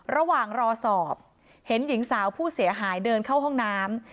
ระหว่างรอสอบเห็นหญิงสาวผู้เสียหายเดินเข้าห้องน้ำ